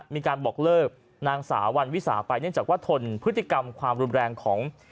มีการบอกเลิกนางสาววันวิสาไปเนื่องจากว่าทนพฤติกรรมความรุนแรงของ